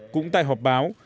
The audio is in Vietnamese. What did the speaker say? cũng tại họp báo